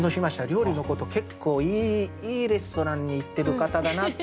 料理のこと結構いいレストランに行ってる方だなって感じましたね。